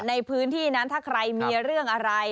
ในพื้นที่นั้นถ้าใครมีเรื่องอะไร